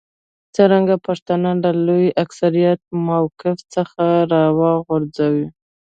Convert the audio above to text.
څرنګه پښتانه له لوی اکثریت موقف څخه راوغورځوي.